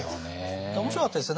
面白かったですよ。